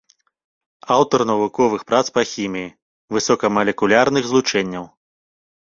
Аўтар навуковых прац па хіміі высокамалекулярных злучэнняў.